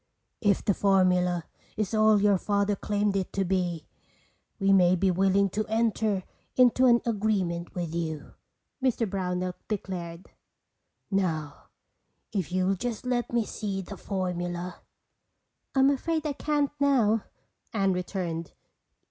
"If the formula is all your Father claimed it to be, we may be willing to enter into an agreement with you," Mr Brownell declared. "Now if you'll just let me see the formula—" "I'm afraid I can't now," Anne returned.